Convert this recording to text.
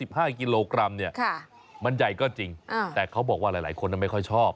๕กิโลกรัมเนี่ยค่ะมันใหญ่ก็จริงแต่เขาบอกว่าหลายหลายคนไม่ค่อยชอบ